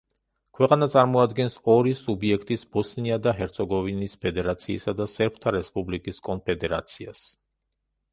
ქვეყანა წარმოადგენს ორი სუბიექტის ბოსნია და ჰერცეგოვინის ფედერაციისა და სერბთა რესპუბლიკის კონფედერაციას.